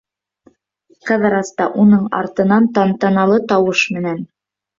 Ҡыҙырас та уның артынан тантаналы тауыш менән: